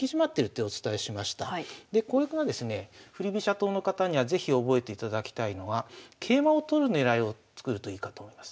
党の方には是非覚えていただきたいのは桂馬を取る狙いを作るといいかと思います。